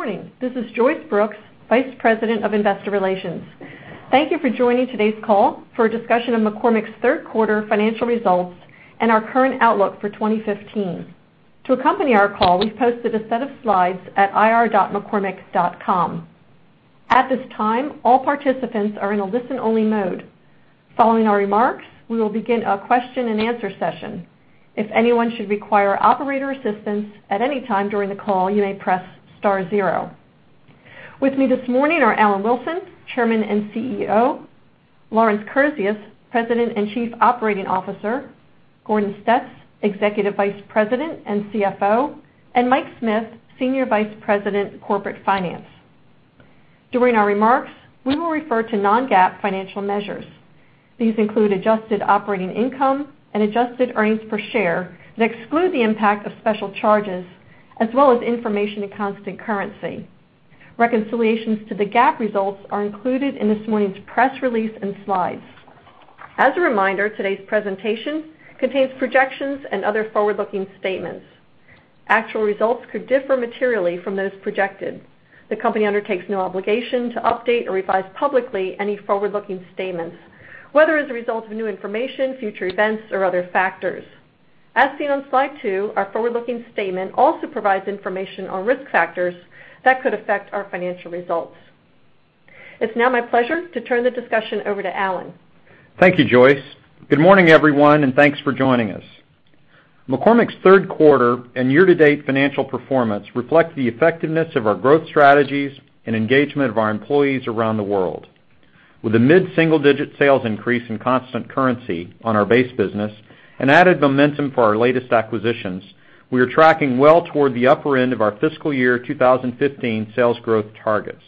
Good morning. This is Joyce Brooks, Vice President of Investor Relations. Thank you for joining today's call for a discussion of McCormick's third quarter financial results and our current outlook for 2015. To accompany our call, we've posted a set of slides at ir.mccormick.com. At this time, all participants are in a listen-only mode. Following our remarks, we will begin a question and answer session. If anyone should require operator assistance at any time during the call, you may press star zero. With me this morning are Alan Wilson, Chairman and CEO, Lawrence Kurzius, President and Chief Operating Officer, Gordon Stetz, Executive Vice President and CFO, and Mike Smith, Senior Vice President, Corporate Finance. During our remarks, we will refer to non-GAAP financial measures. These include adjusted operating income and adjusted earnings per share that exclude the impact of special charges, as well as information in constant currency. Reconciliations to the GAAP results are included in this morning's press release and slides. As a reminder, today's presentation contains projections and other forward-looking statements. Actual results could differ materially from those projected. The company undertakes no obligation to update or revise publicly any forward-looking statements, whether as a result of new information, future events, or other factors. As seen on slide two, our forward-looking statement also provides information on risk factors that could affect our financial results. It's now my pleasure to turn the discussion over to Alan. Thank you, Joyce. Good morning, everyone, and thanks for joining us. McCormick's third quarter and year-to-date financial performance reflect the effectiveness of our growth strategies and engagement of our employees around the world. With a mid-single-digit sales increase in constant currency on our base business and added momentum for our latest acquisitions, we are tracking well toward the upper end of our fiscal year 2015 sales growth targets.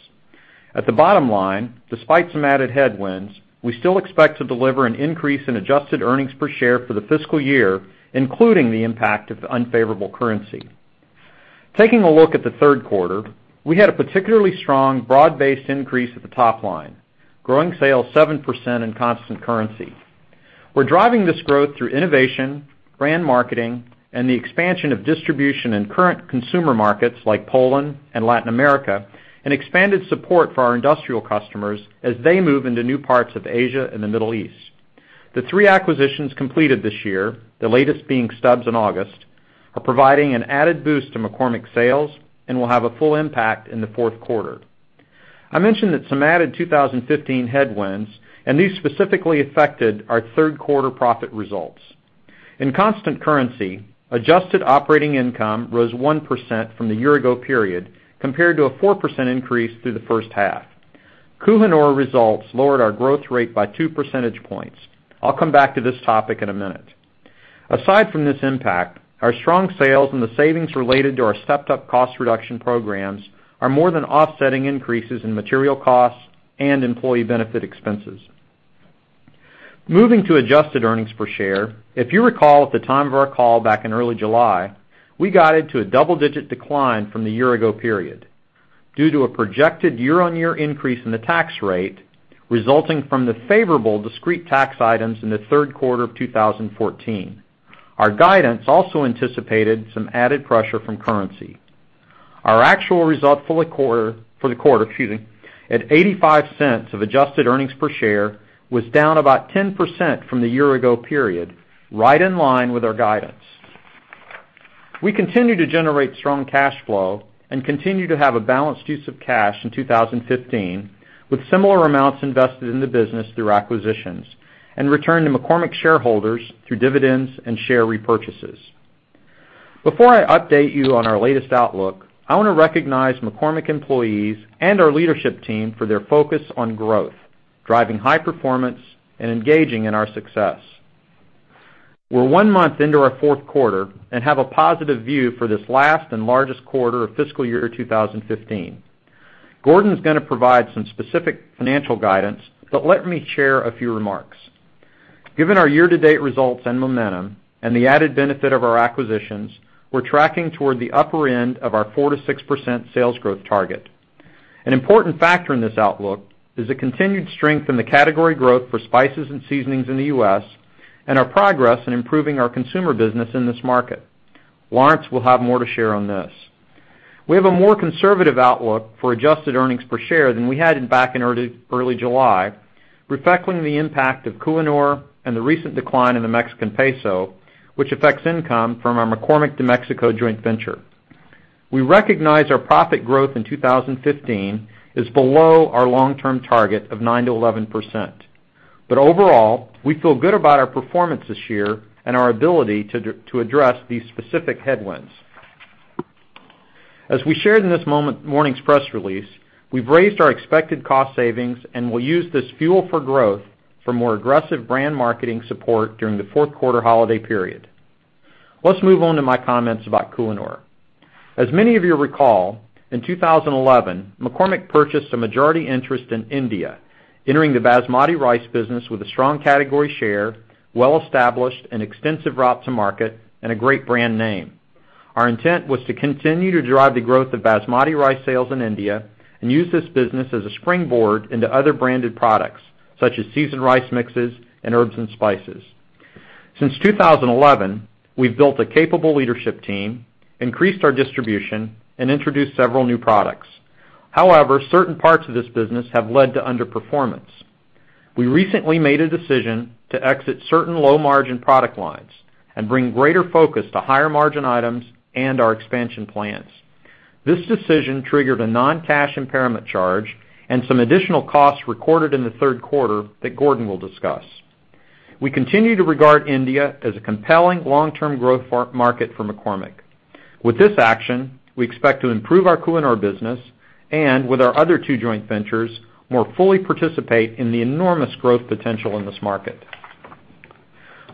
At the bottom line, despite some added headwinds, we still expect to deliver an increase in adjusted earnings per share for the fiscal year, including the impact of unfavorable currency. Taking a look at the third quarter, we had a particularly strong broad-based increase at the top line, growing sales 7% in constant currency. We're driving this growth through innovation, brand marketing, and the expansion of distribution in current consumer markets like Poland and Latin America, and expanded support for our industrial customers as they move into new parts of Asia and the Middle East. The three acquisitions completed this year, the latest being Stubb's in August, are providing an added boost to McCormick's sales and will have a full impact in the fourth quarter. I mentioned some added 2015 headwinds, and these specifically affected our third-quarter profit results. In constant currency, adjusted operating income rose 1% from the year-ago period, compared to a 4% increase through the first half. Kohinoor results lowered our growth rate by two percentage points. I'll come back to this topic in a minute. Aside from this impact, our strong sales and the savings related to our stepped-up cost reduction programs are more than offsetting increases in material costs and employee benefit expenses. Moving to adjusted earnings per share. If you recall at the time of our call back in early July, we guided to a double-digit decline from the year-ago period due to a projected year-on-year increase in the tax rate, resulting from the favorable discrete tax items in the third quarter of 2014. Our guidance also anticipated some added pressure from currency. Our actual result for the quarter at $0.85 of adjusted earnings per share was down about 10% from the year-ago period, right in line with our guidance. We continue to generate strong cash flow and continue to have a balanced use of cash in 2015, with similar amounts invested in the business through acquisitions and returned to McCormick shareholders through dividends and share repurchases. Before I update you on our latest outlook, I want to recognize McCormick employees and our leadership team for their focus on growth, driving high performance, and engaging in our success. We're one month into our fourth quarter and have a positive view for this last and largest quarter of fiscal year 2015. Gordon's going to provide some specific financial guidance, let me share a few remarks. Given our year-to-date results and momentum and the added benefit of our acquisitions, we're tracking toward the upper end of our 4%-6% sales growth target. An important factor in this outlook is the continued strength in the category growth for spices and seasonings in the U.S. and our progress in improving our consumer business in this market. Lawrence will have more to share on this. We have a more conservative outlook for adjusted earnings per share than we had back in early July, reflecting the impact of Kohinoor and the recent decline in the Mexican peso, which affects income from our McCormick de Mexico joint venture. We recognize our profit growth in 2015 is below our long-term target of 9%-11%. Overall, we feel good about our performance this year and our ability to address these specific headwinds. As we shared in this morning's press release, we've raised our expected cost savings and will use this fuel for growth for more aggressive brand marketing support during the fourth-quarter holiday period. Let's move on to my comments about Kohinoor. As many of you recall, in 2011, McCormick purchased a majority interest in India, entering the basmati rice business with a strong category share, well-established and extensive route to market, and a great brand name. Our intent was to continue to drive the growth of basmati rice sales in India and use this business as a springboard into other branded products, such as seasoned rice mixes and herbs and spices. Since 2011, we've built a capable leadership team, increased our distribution, and introduced several new products. Certain parts of this business have led to underperformance. We recently made a decision to exit certain low-margin product lines and bring greater focus to higher-margin items and our expansion plans. This decision triggered a non-cash impairment charge and some additional costs recorded in the third quarter that Gordon will discuss. We continue to regard India as a compelling long-term growth market for McCormick. With this action, we expect to improve our Kohinoor business and, with our other two joint ventures, more fully participate in the enormous growth potential in this market.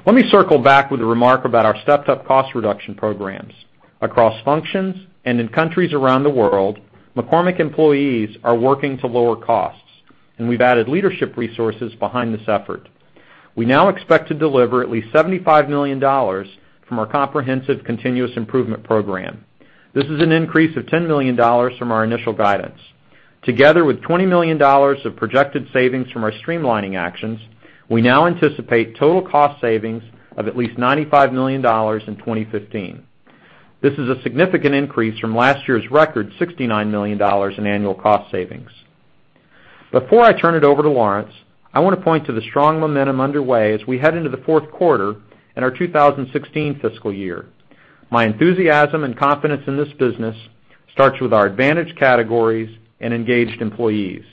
Let me circle back with a remark about our stepped-up cost reduction programs. Across functions and in countries around the world, McCormick employees are working to lower costs, and we've added leadership resources behind this effort. We now expect to deliver at least $75 million from our comprehensive continuous improvement program. This is an increase of $10 million from our initial guidance. Together with $20 million of projected savings from our streamlining actions, we now anticipate total cost savings of at least $95 million in 2015. This is a significant increase from last year's record $69 million in annual cost savings. Before I turn it over to Lawrence, I want to point to the strong momentum underway as we head into the fourth quarter and our 2016 fiscal year. My enthusiasm and confidence in this business starts with our advantage categories and engaged employees.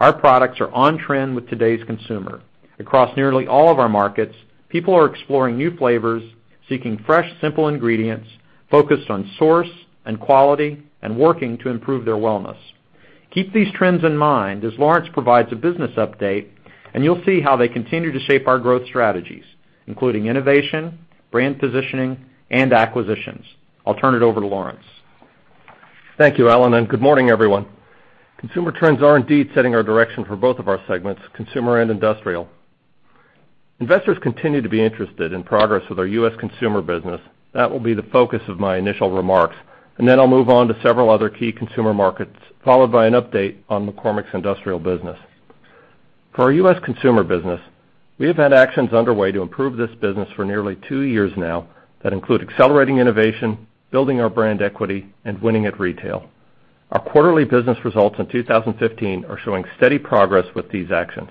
Our products are on-trend with today's consumer. Across nearly all of our markets, people are exploring new flavors, seeking fresh, simple ingredients, focused on source and quality, and working to improve their wellness. Keep these trends in mind as Lawrence provides a business update. You'll see how they continue to shape our growth strategies, including innovation, brand positioning, and acquisitions. I'll turn it over to Lawrence. Thank you, Alan. Good morning, everyone. Consumer trends are indeed setting our direction for both of our segments, consumer and industrial. Investors continue to be interested in progress with our U.S. consumer business. That will be the focus of my initial remarks. Then I'll move on to several other key consumer markets, followed by an update on McCormick's Industrial business. For our U.S. consumer business, we have had actions underway to improve this business for nearly two years now that include accelerating innovation, building our brand equity, and winning at retail. Our quarterly business results in 2015 are showing steady progress with these actions.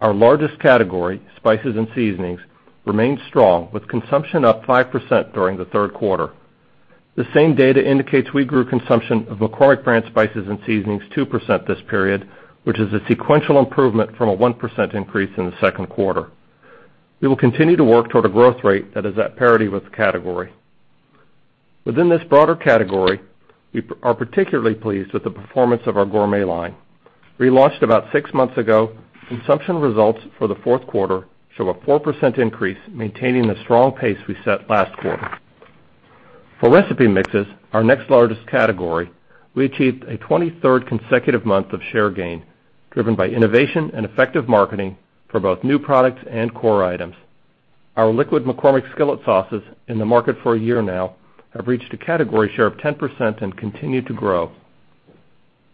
Our largest category, spices and seasonings, remains strong with consumption up 5% during the third quarter. The same data indicates we grew consumption of McCormick brand spices and seasonings 2% this period, which is a sequential improvement from a 1% increase in the second quarter. We will continue to work toward a growth rate that is at parity with the category. Within this broader category, we are particularly pleased with the performance of our gourmet line. Relaunched about six months ago, consumption results for the fourth quarter show a 4% increase, maintaining the strong pace we set last quarter. For recipe mixes, our next largest category, we achieved a 23rd consecutive month of share gain, driven by innovation and effective marketing for both new products and core items. Our liquid McCormick Skillet Sauces, in the market for a year now, have reached a category share of 10% and continue to grow.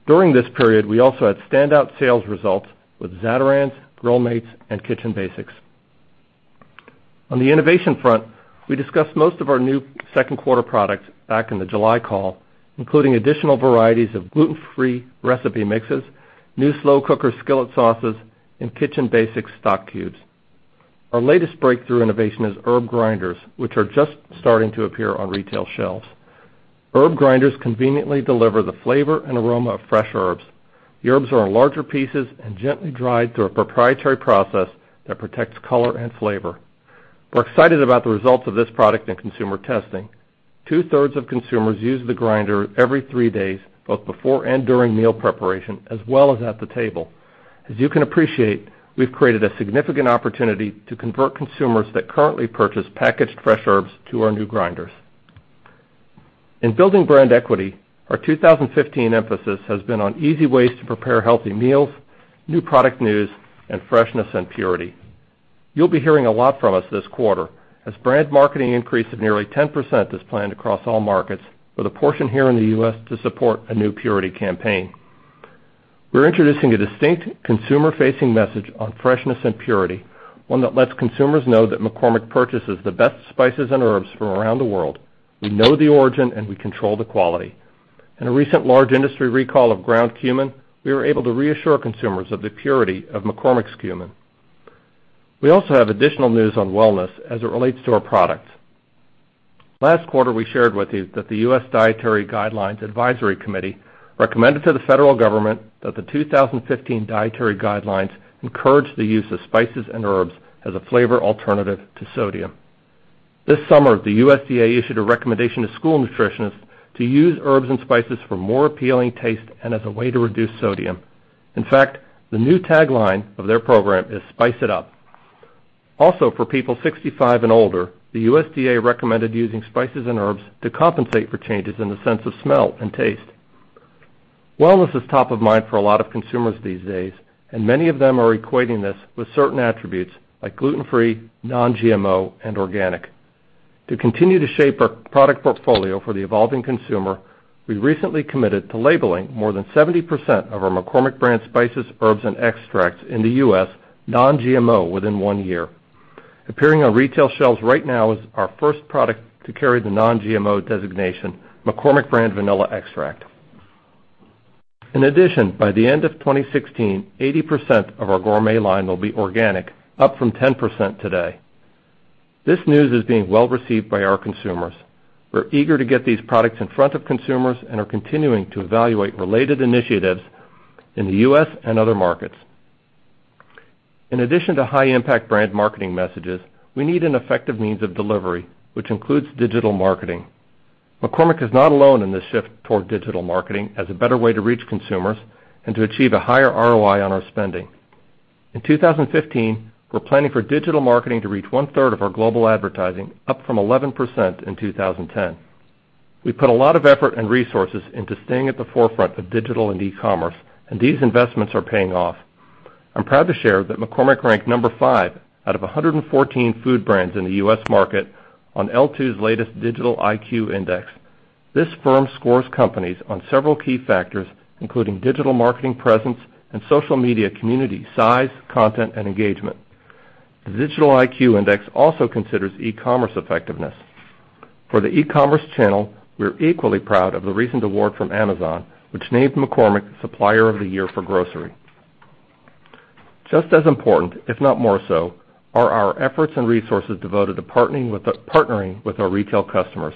During this period, we also had standout sales results with Zatarain's, Grill Mates, and Kitchen Basics. On the innovation front, we discussed most of our new second quarter products back in the July call, including additional varieties of gluten-free recipe mixes, new slow cooker skillet sauces, and Kitchen Basics Stock Cubes. Our latest breakthrough innovation is herb grinders, which are just starting to appear on retail shelves. Herb grinders conveniently deliver the flavor and aroma of fresh herbs. The herbs are in larger pieces and gently dried through a proprietary process that protects color and flavor. We're excited about the results of this product in consumer testing. Two-thirds of consumers use the grinder every three days, both before and during meal preparation, as well as at the table. As you can appreciate, we've created a significant opportunity to convert consumers that currently purchase packaged fresh herbs to our new grinders. In building brand equity, our 2015 emphasis has been on easy ways to prepare healthy meals, new product news, and freshness and purity. You'll be hearing a lot from us this quarter, as brand marketing increase of nearly 10% is planned across all markets, with a portion here in the U.S. to support a new purity campaign. We're introducing a distinct consumer-facing message on freshness and purity, one that lets consumers know that McCormick purchases the best spices and herbs from around the world. We know the origin, and we control the quality. In a recent large industry recall of ground cumin, we were able to reassure consumers of the purity of McCormick's cumin. We also have additional news on wellness as it relates to our products. Last quarter, we shared with you that the U.S. Dietary Guidelines Advisory Committee recommended to the federal government that the 2015 dietary guidelines encourage the use of spices and herbs as a flavor alternative to sodium. This summer, the USDA issued a recommendation to school nutritionists to use herbs and spices for more appealing taste and as a way to reduce sodium. In fact, the new tagline of their program is "Spice it up." Also, for people 65 and older, the USDA recommended using spices and herbs to compensate for changes in the sense of smell and taste. Wellness is top of mind for a lot of consumers these days, and many of them are equating this with certain attributes like gluten-free, non-GMO, and organic. To continue to shape our product portfolio for the evolving consumer, we recently committed to labeling more than 70% of our McCormick brand spices, herbs, and extracts in the U.S., non-GMO within one year. Appearing on retail shelves right now is our first product to carry the non-GMO designation, McCormick Pure Vanilla Extract. In addition, by the end of 2016, 80% of our gourmet line will be organic, up from 10% today. This news is being well-received by our consumers. We're eager to get these products in front of consumers and are continuing to evaluate related initiatives in the U.S. and other markets. In addition to high impact brand marketing messages, we need an effective means of delivery, which includes digital marketing. McCormick is not alone in this shift toward digital marketing as a better way to reach consumers and to achieve a higher ROI on our spending. In 2015, we're planning for digital marketing to reach one-third of our global advertising, up from 11% in 2010. We put a lot of effort and resources into staying at the forefront of digital and e-commerce, and these investments are paying off. I'm proud to share that McCormick ranked number 5 out of 114 food brands in the U.S. market on L2's latest Digital IQ Index. This firm scores companies on several key factors, including digital marketing presence and social media community size, content and engagement. The Digital IQ Index also considers e-commerce effectiveness. For the e-commerce channel, we're equally proud of the recent award from Amazon, which named McCormick Supplier of the Year for grocery. Just as important, if not more so, are our efforts and resources devoted to partnering with our retail customers.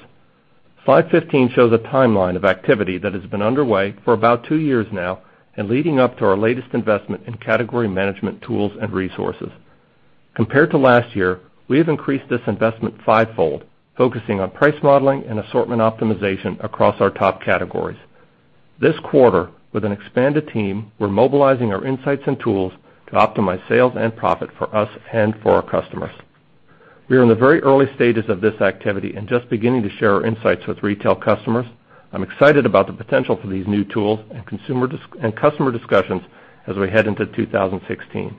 Slide 15 shows a timeline of activity that has been underway for about two years now and leading up to our latest investment in category management tools and resources. Compared to last year, we have increased this investment fivefold, focusing on price modeling and assortment optimization across our top categories. This quarter, with an expanded team, we're mobilizing our insights and tools to optimize sales and profit for us and for our customers. We are in the very early stages of this activity and just beginning to share our insights with retail customers. I'm excited about the potential for these new tools and customer discussions as we head into 2016.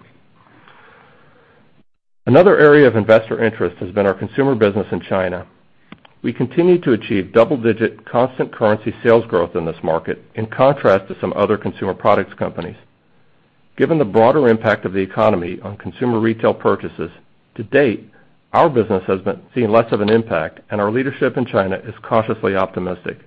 Another area of investor interest has been our consumer business in China. We continue to achieve double-digit constant currency sales growth in this market, in contrast to some other consumer products companies. Given the broader impact of the economy on consumer retail purchases, to date, our business has been seeing less of an impact, and our leadership in China is cautiously optimistic.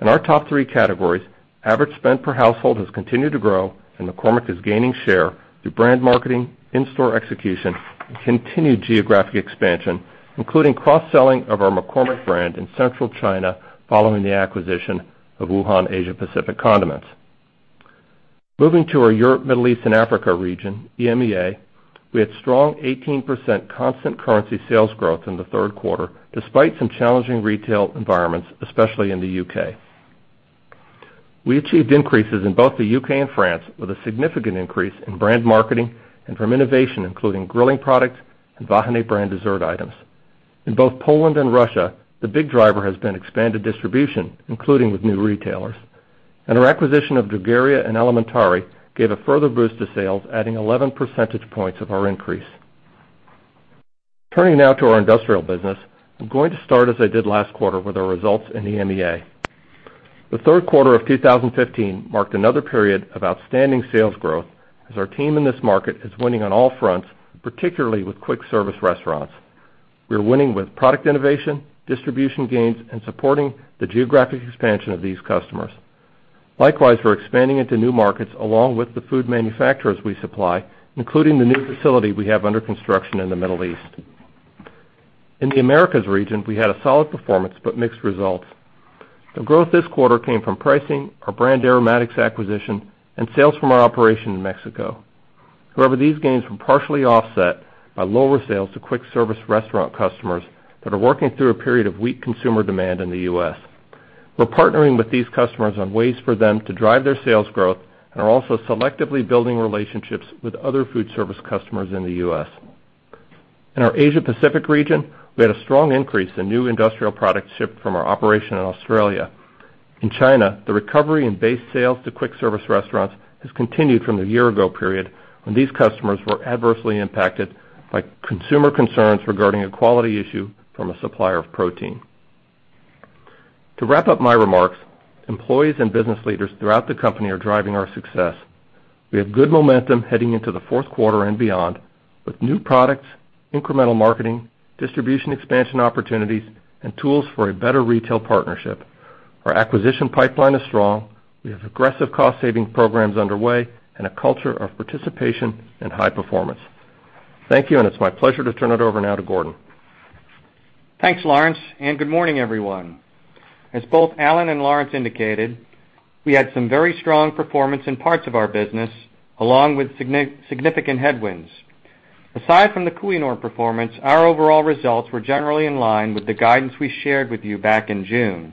In our top three categories, average spend per household has continued to grow, and McCormick is gaining share through brand marketing, in-store execution, and continued geographic expansion, including cross-selling of our McCormick brand in Central China following the acquisition of Wuhan Asia-Pacific Condiments. Moving to our Europe, Middle East, and Africa region, EMEA, we had strong 18% constant currency sales growth in the third quarter, despite some challenging retail environments, especially in the U.K. We achieved increases in both the U.K. and France, with a significant increase in brand marketing and from innovation, including grilling products and Vahiné brand dessert items. In both Poland and Russia, the big driver has been expanded distribution, including with new retailers. Our acquisition of Drogheria & Alimentari gave a further boost to sales, adding 11 percentage points of our increase. Turning now to our industrial business, I'm going to start as I did last quarter with our results in EMEA. The third quarter of 2015 marked another period of outstanding sales growth, as our team in this market is winning on all fronts, particularly with quick service restaurants. We are winning with product innovation, distribution gains, and supporting the geographic expansion of these customers. Likewise, we're expanding into new markets along with the food manufacturers we supply, including the new facility we have under construction in the Middle East. In the Americas region, we had a solid performance but mixed results. The growth this quarter came from pricing, our Brand Aromatics acquisition, and sales from our operation in Mexico. However, these gains were partially offset by lower sales to quick service restaurant customers that are working through a period of weak consumer demand in the U.S. We're partnering with these customers on ways for them to drive their sales growth and are also selectively building relationships with other food service customers in the U.S. In our Asia Pacific region, we had a strong increase in new industrial products shipped from our operation in Australia. In China, the recovery in base sales to quick service restaurants has continued from the year-ago period when these customers were adversely impacted by consumer concerns regarding a quality issue from a supplier of protein. To wrap up my remarks, employees and business leaders throughout the company are driving our success. We have good momentum heading into the fourth quarter and beyond, with new products, incremental marketing, distribution expansion opportunities, and tools for a better retail partnership. Our acquisition pipeline is strong. We have aggressive cost saving programs underway and a culture of participation and high performance. Thank you, and it's my pleasure to turn it over now to Gordon. Thanks, Lawrence, and good morning, everyone. As both Alan and Lawrence indicated, we had some very strong performance in parts of our business, along with significant headwinds. Aside from the Kohinoor performance, our overall results were generally in line with the guidance we shared with you back in June.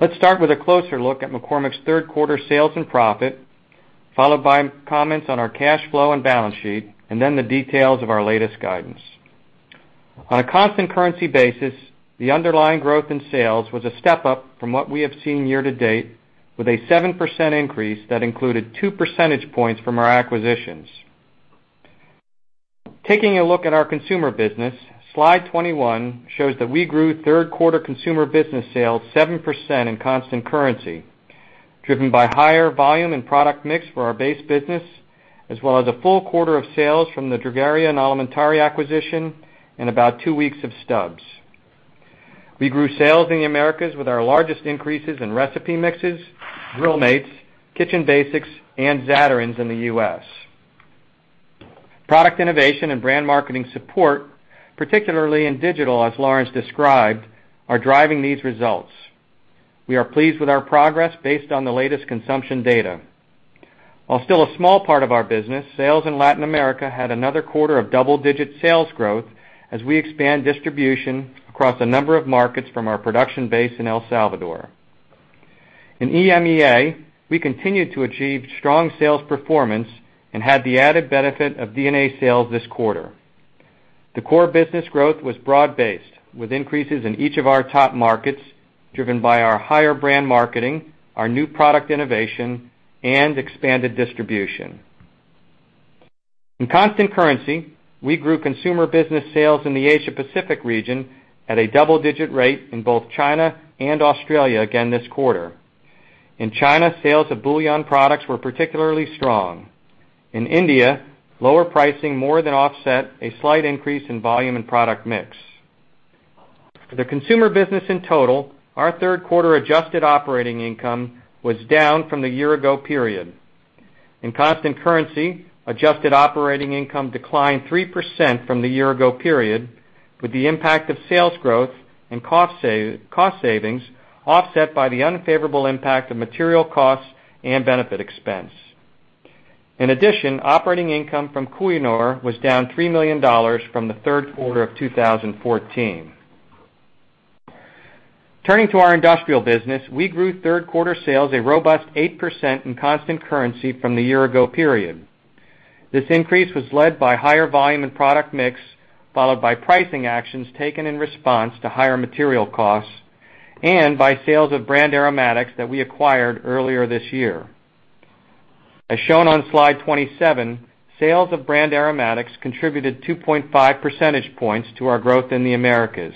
Let's start with a closer look at McCormick's third quarter sales and profit, followed by comments on our cash flow and balance sheet, and then the details of our latest guidance. On a constant currency basis, the underlying growth in sales was a step up from what we have seen year-to-date, with a 7% increase that included two percentage points from our acquisitions. Taking a look at our consumer business, slide 21 shows that we grew third quarter consumer business sales 7% in constant currency, driven by higher volume and product mix for our base business, as well as a full quarter of sales from the Drogheria & Alimentari acquisition, and about two weeks of Stubb's. We grew sales in the Americas with our largest increases in recipe mixes, Grill Mates, Kitchen Basics, and Zatarain's in the U.S. Product innovation and brand marketing support, particularly in digital, as Lawrence described, are driving these results. We are pleased with our progress based on the latest consumption data. While still a small part of our business, sales in Latin America had another quarter of double-digit sales growth as we expand distribution across a number of markets from our production base in El Salvador. In EMEA, we continued to achieve strong sales performance and had the added benefit of D&A sales this quarter. The core business growth was broad-based, with increases in each of our top markets, driven by our higher brand marketing, our new product innovation, and expanded distribution. In constant currency, we grew consumer business sales in the Asia Pacific region at a double-digit rate in both China and Australia again this quarter. In China, sales of bouillon products were particularly strong. In India, lower pricing more than offset a slight increase in volume and product mix. For the consumer business in total, our third quarter adjusted operating income was down from the year ago period. In constant currency, adjusted operating income declined 3% from the year ago period, with the impact of sales growth and cost savings offset by the unfavorable impact of material costs and benefit expense. In addition, operating income from Kohinoor was down $3 million from the third quarter of 2014. Turning to our industrial business, we grew third quarter sales a robust 8% in constant currency from the year ago period. This increase was led by higher volume and product mix, followed by pricing actions taken in response to higher material costs and by sales of Brand Aromatics that we acquired earlier this year. As shown on slide 27, sales of Brand Aromatics contributed 2.5 percentage points to our growth in the Americas.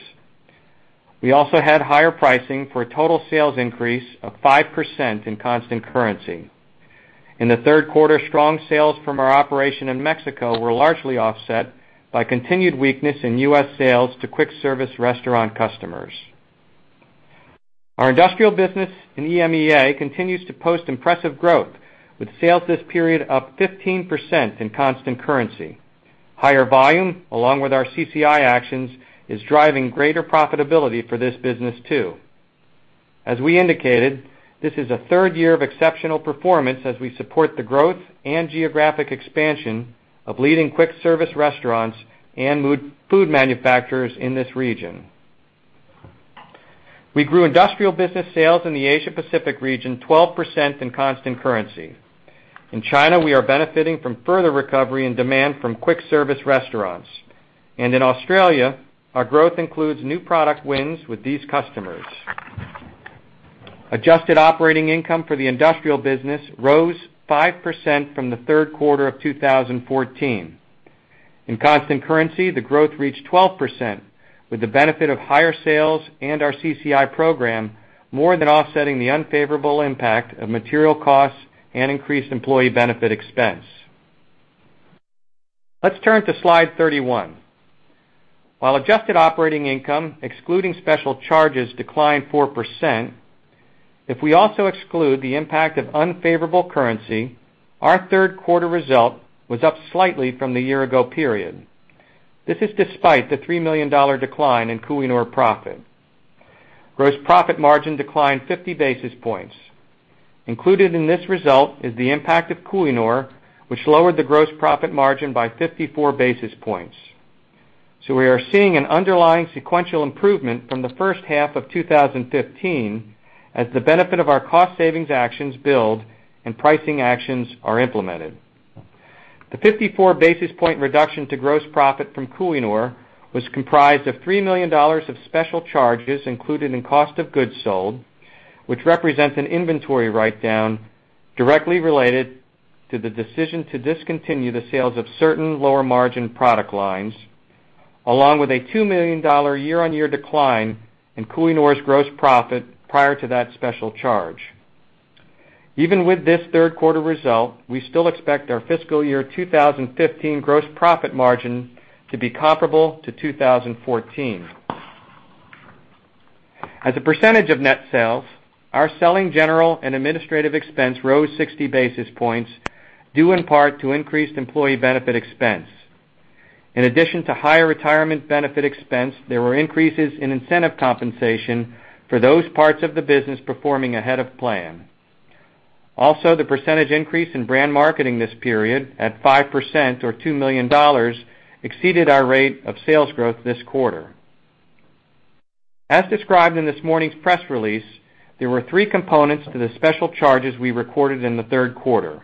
We also had higher pricing for a total sales increase of 5% in constant currency. In the third quarter, strong sales from our operation in Mexico were largely offset by continued weakness in U.S. sales to quick service restaurant customers. Our industrial business in EMEA continues to post impressive growth, with sales this period up 15% in constant currency. Higher volume, along with our CCI actions, is driving greater profitability for this business too. As we indicated, this is a third year of exceptional performance as we support the growth and geographic expansion of leading quick service restaurants and food manufacturers in this region. We grew industrial business sales in the Asia Pacific region 12% in constant currency. In China, we are benefiting from further recovery and demand from quick service restaurants. In Australia, our growth includes new product wins with these customers. Adjusted operating income for the industrial business rose 5% from the third quarter of 2014. In constant currency, the growth reached 12%, with the benefit of higher sales and our CCI program more than offsetting the unfavorable impact of material costs and increased employee benefit expense. Let's turn to slide 31. While adjusted operating income, excluding special charges, declined 4%, if we also exclude the impact of unfavorable currency, our third quarter result was up slightly from the year ago period. This is despite the $3 million decline in Kohinoor profit. Gross profit margin declined 50 basis points. Included in this result is the impact of Kohinoor, which lowered the gross profit margin by 54 basis points. We are seeing an underlying sequential improvement from the first half of 2015 as the benefit of our cost savings actions build and pricing actions are implemented. The 54 basis point reduction to gross profit from Kohinoor was comprised of $3 million of special charges included in cost of goods sold, which represents an inventory write-down directly related to the decision to discontinue the sales of certain lower-margin product lines, along with a $2 million year-on-year decline in Kohinoor's gross profit prior to that special charge. Even with this third quarter result, we still expect our fiscal year 2015 gross profit margin to be comparable to 2014. As a percentage of net sales, our selling, general and administrative expense rose 60 basis points, due in part to increased employee benefit expense. In addition to higher retirement benefit expense, there were increases in incentive compensation for those parts of the business performing ahead of plan. The percentage increase in brand marketing this period, at 5% or $2 million, exceeded our rate of sales growth this quarter. As described in this morning's press release, there were three components to the special charges we recorded in the third quarter.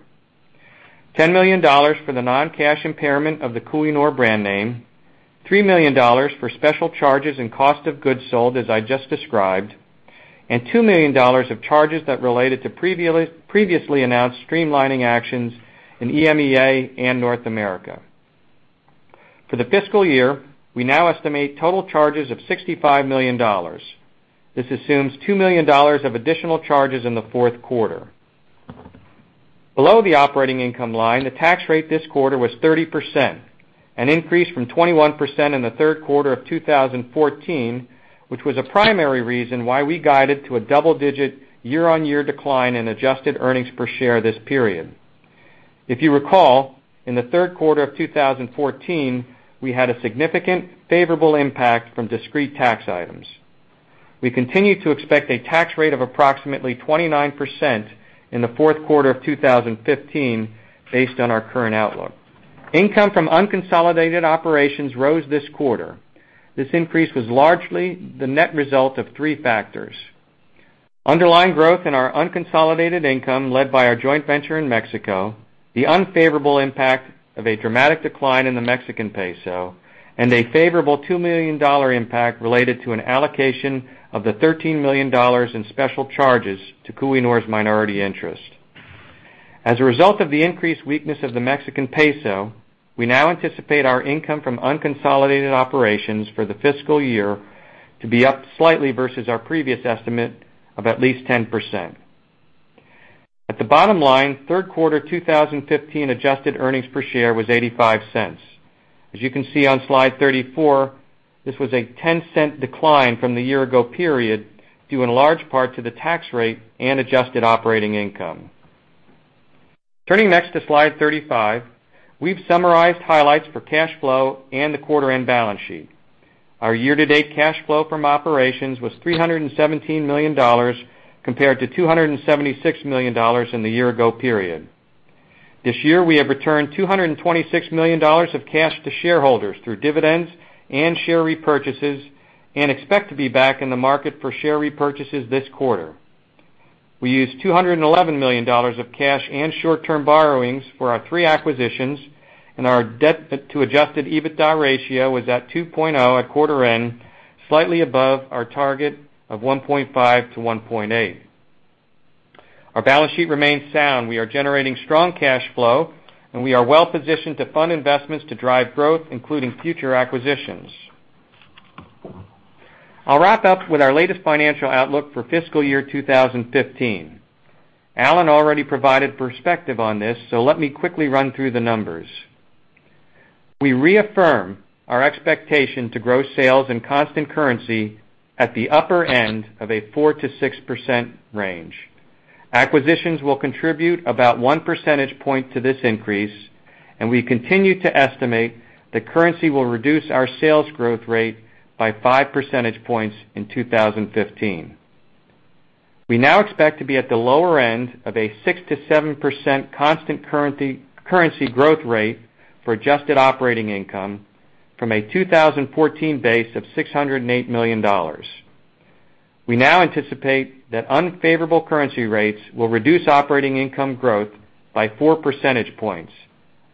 $10 million for the non-cash impairment of the Kohinoor brand name, $3 million for special charges and cost of goods sold, as I just described. $2 million of charges that related to previously announced streamlining actions in EMEA and North America. For the fiscal year, we now estimate total charges of $65 million. This assumes $2 million of additional charges in the fourth quarter. Below the operating income line, the tax rate this quarter was 30%, an increase from 21% in the third quarter of 2014, which was a primary reason why we guided to a double-digit year-on-year decline in adjusted earnings per share this period. If you recall, in the third quarter of 2014, we had a significant favorable impact from discrete tax items. We continue to expect a tax rate of approximately 29% in the fourth quarter of 2015, based on our current outlook. Income from unconsolidated operations rose this quarter. This increase was largely the net result of three factors. Underlying growth in our unconsolidated income, led by our joint venture in Mexico, the unfavorable impact of a dramatic decline in the Mexican peso, and a favorable $2 million impact related to an allocation of the $13 million in special charges to Kohinoor's minority interest. As a result of the increased weakness of the Mexican peso, we now anticipate our income from unconsolidated operations for the fiscal year to be up slightly versus our previous estimate of at least 10%. At the bottom line, third quarter 2015 adjusted earnings per share was $0.85. As you can see on slide 34, this was a $0.10 decline from the year-ago period, due in large part to the tax rate and adjusted operating income. Turning next to slide 35. We've summarized highlights for cash flow and the quarter-end balance sheet. Our year-to-date cash flow from operations was $317 million compared to $276 million in the year-ago period. This year, we have returned $226 million of cash to shareholders through dividends and share repurchases, and expect to be back in the market for share repurchases this quarter. We used $211 million of cash and short-term borrowings for our three acquisitions, and our debt to adjusted EBITDA ratio was at 2.0 at quarter-end, slightly above our target of 1.5 to 1.8. Our balance sheet remains sound. We are generating strong cash flow, and we are well-positioned to fund investments to drive growth, including future acquisitions. I'll wrap up with our latest financial outlook for fiscal year 2015. Alan already provided perspective on this. Let me quickly run through the numbers. We reaffirm our expectation to grow sales in constant currency at the upper end of a 4%-6% range. Acquisitions will contribute about one percentage point to this increase, and we continue to estimate that currency will reduce our sales growth rate by five percentage points in 2015. We now expect to be at the lower end of a 6%-7% constant currency growth rate for adjusted operating income from a 2014 base of $608 million. We now anticipate that unfavorable currency rates will reduce operating income growth by four percentage points,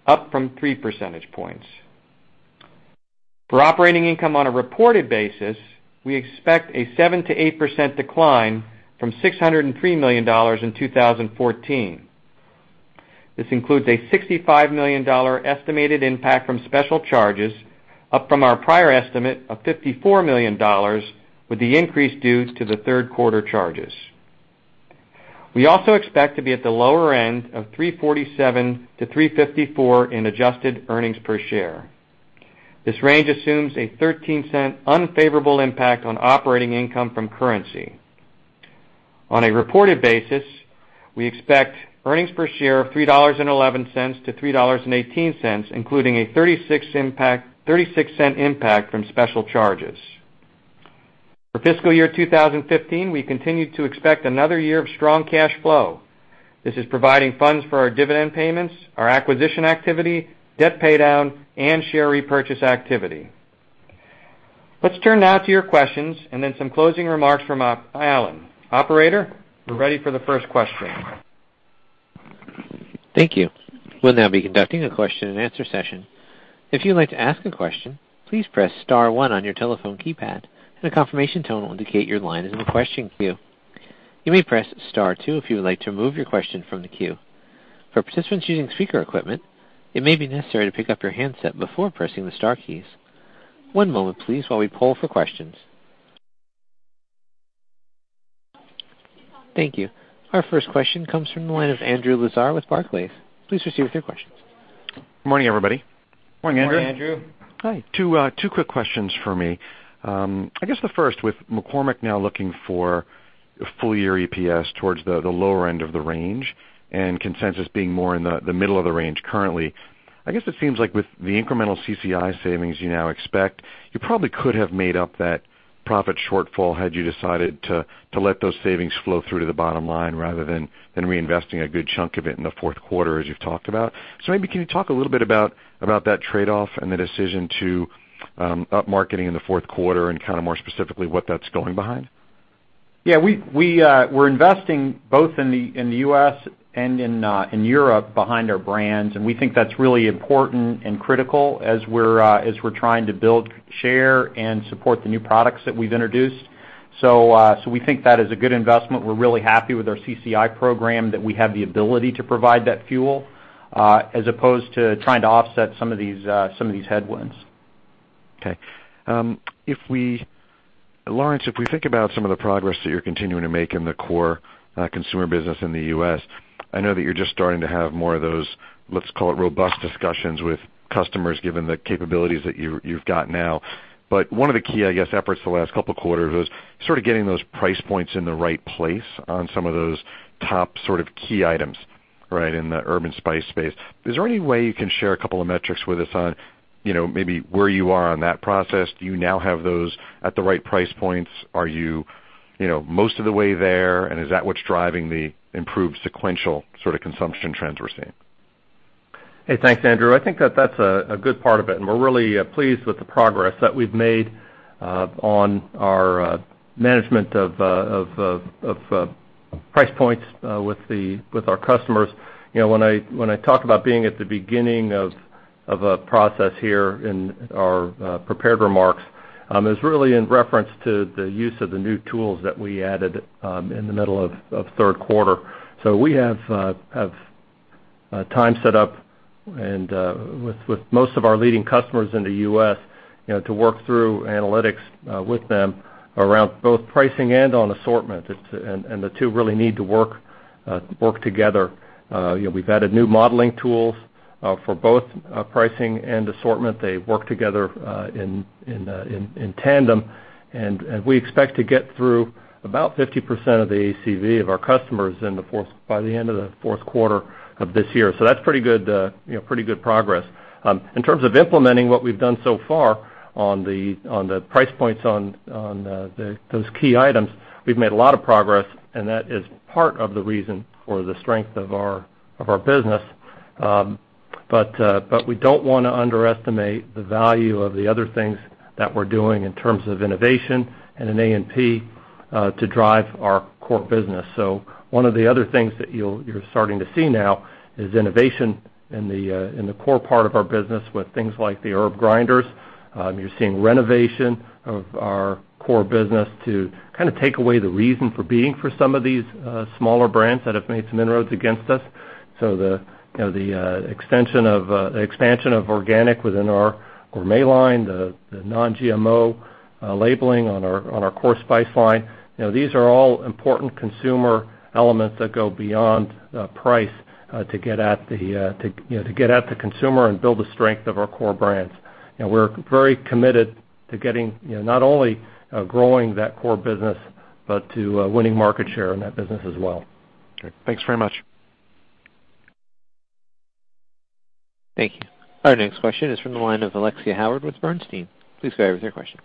up from three percentage points. For operating income on a reported basis, we expect a 7%-8% decline from $603 million in 2014. This includes a $65 million estimated impact from special charges, up from our prior estimate of $54 million, with the increase due to the third quarter charges. We also expect to be at the lower end of $3.47-$3.54 in adjusted earnings per share. This range assumes a $0.13 unfavorable impact on operating income from currency. On a reported basis, we expect earnings per share of $3.11-$3.18, including a $0.36 impact from special charges. For fiscal year 2015, we continue to expect another year of strong cash flow. This is providing funds for our dividend payments, our acquisition activity, debt paydown, and share repurchase activity. Let's turn now to your questions and then some closing remarks from Alan. Operator, we're ready for the first question. Thank you. We'll now be conducting a question and answer session. If you'd like to ask a question, please press *1 on your telephone keypad and a confirmation tone will indicate your line is in the question queue. You may press *2 if you would like to remove your question from the queue. For participants using speaker equipment, it may be necessary to pick up your handset before pressing the star keys. One moment please while we poll for questions. Thank you. Our first question comes from the line of Andrew Lazar with Barclays. Please proceed with your questions. Morning, everybody. Morning, Andrew. Morning, Andrew. Hi. Two quick questions for me. I guess the first, with McCormick now looking for full-year EPS towards the lower end of the range and consensus being more in the middle of the range currently, I guess it seems like with the incremental CCI savings you now expect, you probably could have made up that profit shortfall had you decided to let those savings flow through to the bottom line rather than reinvesting a good chunk of it in the fourth quarter as you've talked about. Maybe can you talk a little bit about that trade-off and the decision to up marketing in the fourth quarter and kind of more specifically what that's going behind? Yeah, we're investing both in the U.S. and in Europe behind our brands, and we think that's really important and critical as we're trying to build, share, and support the new products that we've introduced. We think that is a good investment. We're really happy with our CCI program, that we have the ability to provide that fuel, as opposed to trying to offset some of these headwinds. Okay. Lawrence, if we think about some of the progress that you're continuing to make in the core consumer business in the U.S., I know that you're just starting to have more of those, let's call it, robust discussions with customers, given the capabilities that you've got now. One of the key, I guess, efforts the last couple of quarters was sort of getting those price points in the right place on some of those top sort of key items, right, in the herb and spice space. Is there any way you can share a couple of metrics with us on maybe where you are on that process? Do you now have those at the right price points? Are you most of the way there, and is that what's driving the improved sequential sort of consumption trends we're seeing? Hey, thanks, Andrew. I think that's a good part of it. We're really pleased with the progress that we've made on our management of price points with our customers. When I talk about being at the beginning of a process here in our prepared remarks, it's really in reference to the use of the new tools that we added in the middle of third quarter. We have time set up with most of our leading customers in the U.S., to work through analytics with them around both pricing and on assortment. The two really need to work together. We've added new modeling tools for both pricing and assortment. They work together in tandem, and we expect to get through about 50% of the ACV of our customers by the end of the fourth quarter of this year. That's pretty good progress. In terms of implementing what we've done so far on the price points on those key items, we've made a lot of progress. That is part of the reason for the strength of our business. We don't want to underestimate the value of the other things that we're doing in terms of innovation and in A&P to drive our core business. One of the other things that you're starting to see now is innovation in the core part of our business with things like the herb grinders. You're seeing renovation of our core business to kind of take away the reason for being for some of these smaller brands that have made some inroads against us. The expansion of organic within our gourmet line, the non-GMO labeling on our core spice line, these are all important consumer elements that go beyond price to get at the consumer and build the strength of our core brands. We're very committed to not only growing that core business, but to winning market share in that business as well. Okay. Thanks very much. Thank you. Our next question is from the line of Alexia Howard with Bernstein. Please go ahead with your questions.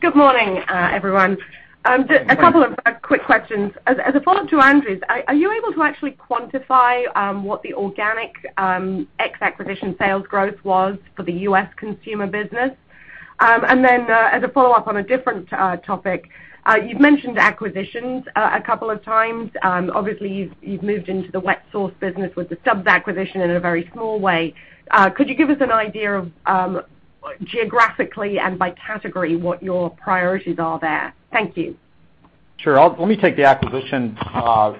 Good morning, everyone. Good morning. A couple of quick questions. As a follow-up to Andrew's, are you able to actually quantify what the organic ex acquisition sales growth was for the U.S. consumer business? Then, as a follow-up on a different topic, you've mentioned acquisitions a couple of times. Obviously, you've moved into the wet sauce business with the Stubb's acquisition in a very small way. Could you give us an idea of, geographically and by category, what your priorities are there? Thank you. Sure. Let me take the acquisition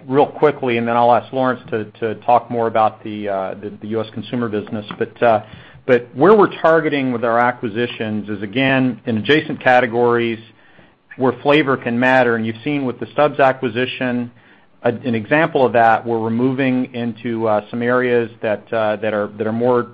real quickly. Then I'll ask Lawrence to talk more about the U.S. consumer business. Where we're targeting with our acquisitions is, again, in adjacent categories where flavor can matter. You've seen with the Stubb's acquisition, an example of that, where we're moving into some areas that are more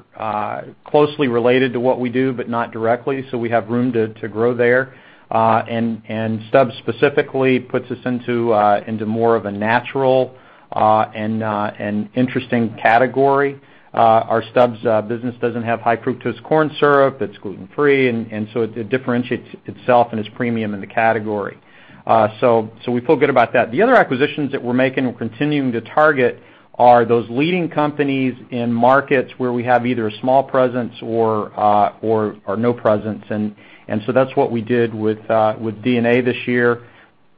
closely related to what we do, but not directly, so we have room to grow there. Stubb's specifically puts us into more of a natural and interesting category. Our Stubb's business doesn't have high fructose corn syrup. It's gluten-free, so it differentiates itself and is premium in the category. We feel good about that. The other acquisitions that we're making, we're continuing to target are those leading companies in markets where we have either a small presence or no presence. That's what we did with D&A this year.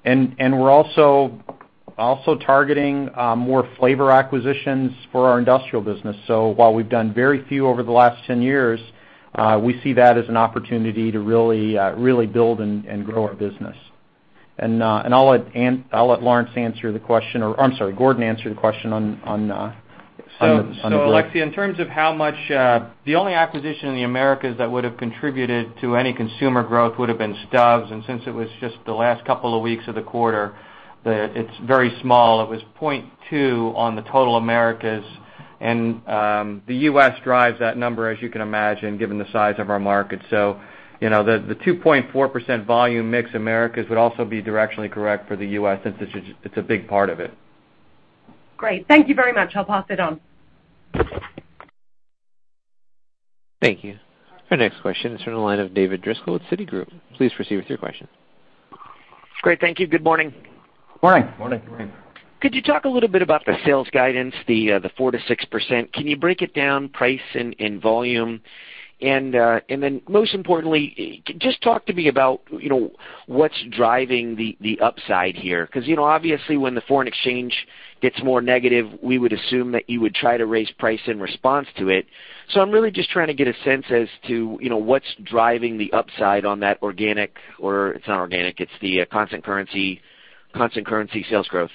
We're also targeting more flavor acquisitions for our industrial business. While we've done very few over the last 10 years, we see that as an opportunity to really build and grow our business. I'll let Gordon answer the question. Alexia, in terms of how much, the only acquisition in the Americas that would've contributed to any consumer growth would've been Stubb's, and since it was just the last couple of weeks of the quarter, it's very small. It was $0.2 on the total Americas, and the U.S. drives that number, as you can imagine, given the size of our market. The 2.4% volume mix Americas would also be directionally correct for the U.S., since it's a big part of it. Great. Thank you very much. I'll pass it on. Thank you. Our next question is from the line of David Driscoll at Citigroup. Please proceed with your question. Great, thank you. Good morning. Morning. Morning. Morning. Could you talk a little bit about the sales guidance, the 4%-6%? Can you break it down price and volume? Most importantly, just talk to me about what's driving the upside here. Obviously, when the foreign exchange gets more negative, we would assume that you would try to raise price in response to it. I'm really just trying to get a sense as to what's driving the upside on that organic, or it's not organic, it's the constant currency sales growth.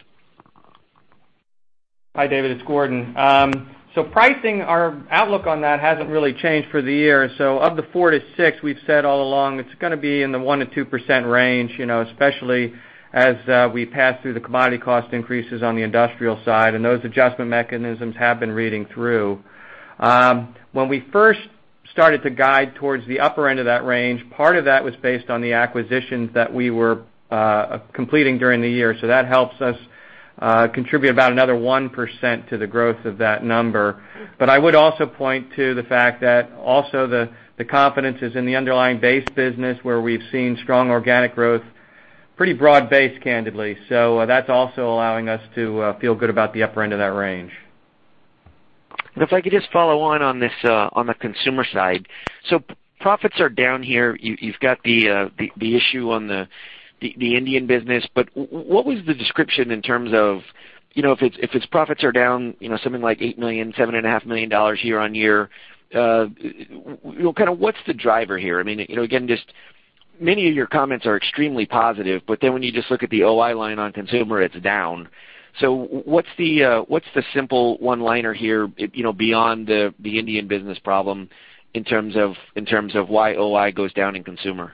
Hi, David, it's Gordon. Pricing, our outlook on that hasn't really changed for the year. Of the 4%-6%, we've said all along, it's going to be in the 1%-2% range, especially as we pass through the commodity cost increases on the industrial side, and those adjustment mechanisms have been reading through. When we first started to guide towards the upper end of that range, part of that was based on the acquisitions that we were completing during the year, that helps us contribute about another 1% to the growth of that number. I would also point to the fact that also the confidence is in the underlying base business where we've seen strong organic growth, pretty broad-based, candidly. That's also allowing us to feel good about the upper end of that range. If I could just follow on the consumer side. Profits are down here. You've got the issue on the Indian business, but what was the description in terms of, if its profits are down something like $8 million, $7.5 million year-over-year, what's the driver here? Again, just many of your comments are extremely positive, but then when you just look at the OI line on consumer, it's down. What's the simple one-liner here, beyond the Indian business problem in terms of why OI goes down in consumer?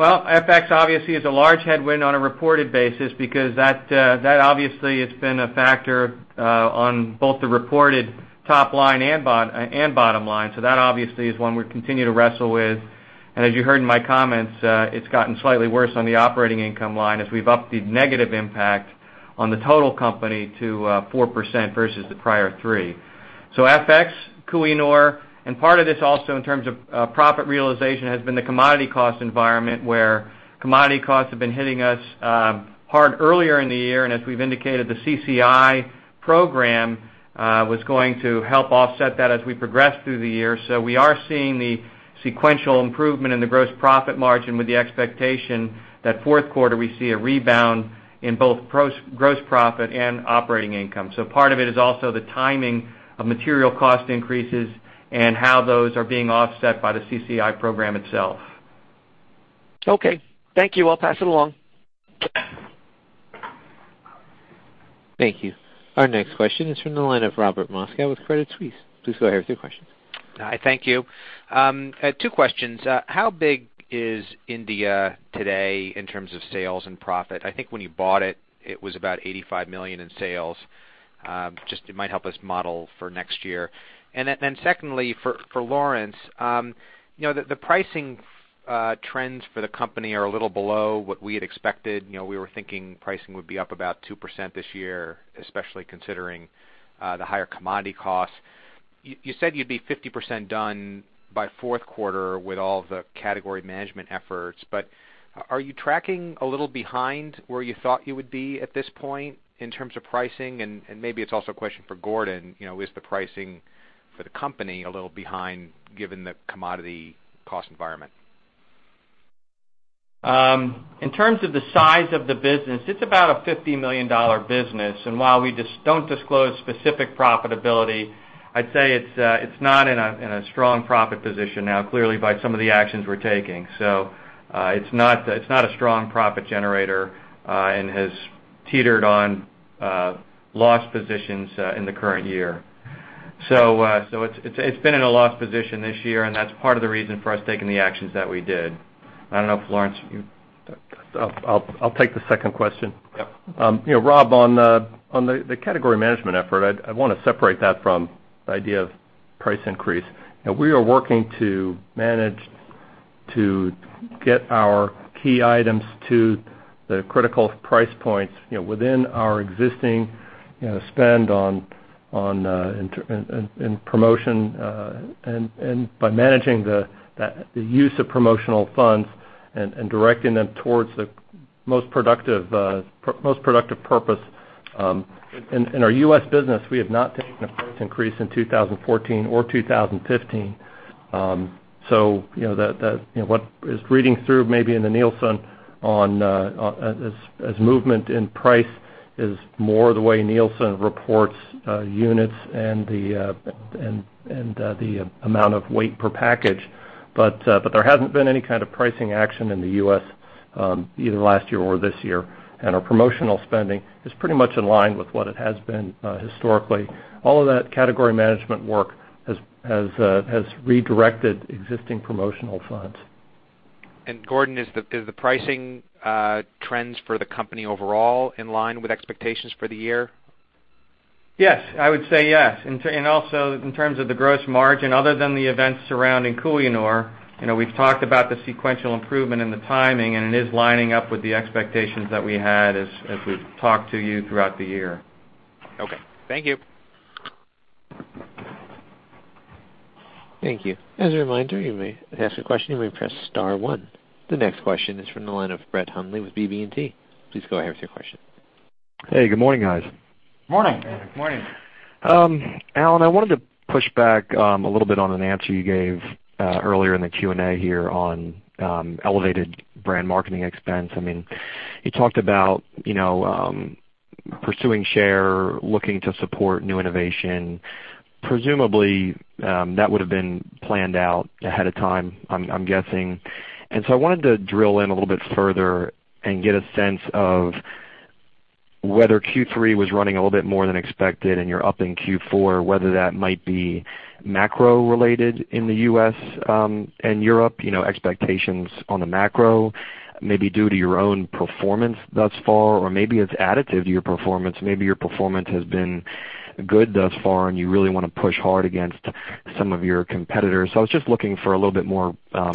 FX obviously is a large headwind on a reported basis because that obviously has been a factor on both the reported top line and bottom line. That obviously is one we continue to wrestle with. As you heard in my comments, it's gotten slightly worse on the operating income line as we've upped the negative impact on the total company to 4% versus the prior 3%. FX, Kohinoor, and part of this also in terms of profit realization has been the commodity cost environment where commodity costs have been hitting us hard earlier in the year, and as we've indicated, the CCI program was going to help offset that as we progress through the year. We are seeing the sequential improvement in the gross profit margin with the expectation that fourth quarter, we see a rebound in both gross profit and operating income. Part of it is also the timing of material cost increases and how those are being offset by the CCI program itself. Okay, thank you. I'll pass it along. Thank you. Our next question is from the line of Robert Moskow with Credit Suisse. Please go ahead with your question. Hi, thank you. Two questions. How big is India today in terms of sales and profit? I think when you bought it was about $85 million in sales. Just it might help us model for next year. Secondly, for Lawrence, the pricing trends for the company are a little below what we had expected. We were thinking pricing would be up about 2% this year, especially considering the higher commodity costs. You said you'd be 50% done by fourth quarter with all of the category management efforts, are you tracking a little behind where you thought you would be at this point in terms of pricing? Maybe it's also a question for Gordon, is the pricing for the company a little behind given the commodity cost environment? In terms of the size of the business, it's about a $50 million business, while we don't disclose specific profitability, I'd say it's not in a strong profit position now, clearly by some of the actions we're taking. It's not a strong profit generator and has teetered on loss positions in the current year. It's been in a loss position this year, and that's part of the reason for us taking the actions that we did. I don't know if Lawrence. I'll take the second question. Yep. Rob, on the category management effort, I want to separate that from the idea of price increase. We are working to manage to get our key items to the critical price points within our existing spend in promotion and by managing the use of promotional funds and directing them towards the most productive purpose. In our U.S. business, we have not taken a price increase in 2014 or 2015. What is reading through maybe in the Nielsen as movement in price is more the way Nielsen reports units and the amount of weight per package. There hasn't been any kind of pricing action in the U.S., either last year or this year, and our promotional spending is pretty much in line with what it has been historically. All of that category management work has redirected existing promotional funds. Gordon, is the pricing trends for the company overall in line with expectations for the year? Yes. I would say yes. Also in terms of the gross margin, other than the events surrounding Kohinoor, we've talked about the sequential improvement and the timing, and it is lining up with the expectations that we had as we've talked to you throughout the year. Okay. Thank you. Thank you. As a reminder, you may ask a question, you may press star one. The next question is from the line of Brett Hundley with BB&T. Please go ahead with your question. Hey, good morning, guys. Morning. Morning. Alan, I wanted to push back a little bit on an answer you gave earlier in the Q&A here on elevated brand marketing expense. You talked about pursuing share, looking to support new innovation. Presumably, that would have been planned out ahead of time, I'm guessing. I wanted to drill in a little bit further and get a sense of whether Q3 was running a little bit more than expected and you're up in Q4, whether that might be macro related in the U.S. and Europe, expectations on the macro, maybe due to your own performance thus far, or maybe it's additive to your performance. Maybe your performance has been good thus far and you really want to push hard against some of your competitors. I was just looking for a little bit more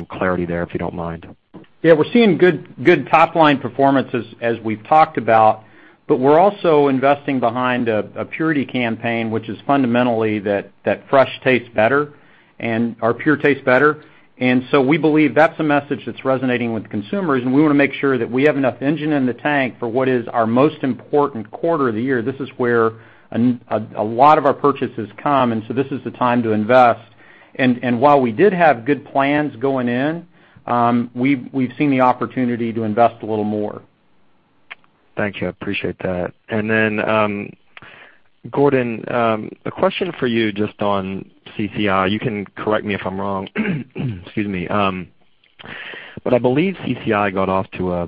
clarity there, if you don't mind. We're seeing good top line performances as we've talked about, but we're also investing behind a purity campaign, which is fundamentally that fresh tastes better and our pure tastes better. We believe that's a message that's resonating with consumers, and we want to make sure that we have enough engine in the tank for what is our most important quarter of the year. This is where a lot of our purchases come, and so this is the time to invest. While we did have good plans going in, we've seen the opportunity to invest a little more. Thank you. I appreciate that. Gordon, a question for you just on CCI. You can correct me if I'm wrong, excuse me. I believe CCI got off to a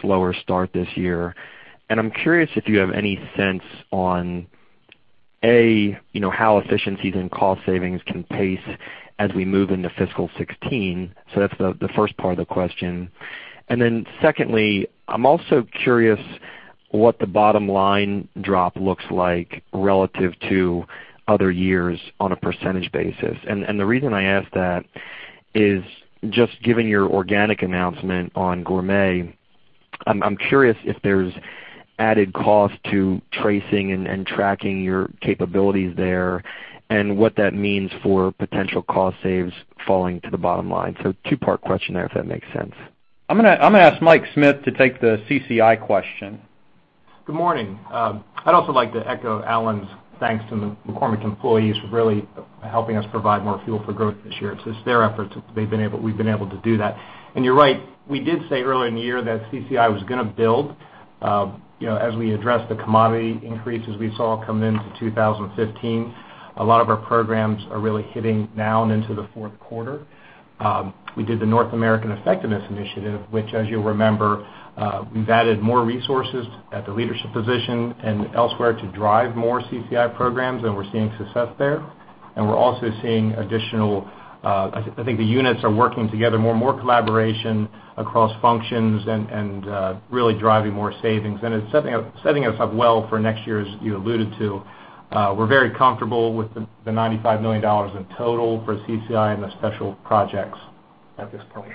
slower start this year, and I'm curious if you have any sense on, A, how efficiencies and cost savings can pace as we move into fiscal 2016. That's the first part of the question. Secondly, I'm also curious what the bottom line drop looks like relative to other years on a percentage basis. The reason I ask that is just given your organic announcement on gourmet, I'm curious if there's added cost to tracing and tracking your capabilities there and what that means for potential cost saves falling to the bottom line. Two-part question there, if that makes sense. I'm going to ask Mike Smith to take the CCI question. Good morning. I'd also like to echo Alan's thanks to the McCormick employees for really helping us provide more fuel for growth this year. It's their efforts, we've been able to do that. You're right, we did say earlier in the year that CCI was going to build as we address the commodity increases we saw come into 2015. A lot of our programs are really hitting now and into the fourth quarter. We did the North American Effectiveness Initiative, which as you'll remember, we've added more resources at the leadership position and elsewhere to drive more CCI programs, and we're seeing success there. We're also seeing the units are working together, more collaboration across functions and really driving more savings, and it's setting us up well for next year, as you alluded to. We're very comfortable with the $95 million in total for CCI and the special projects at this point.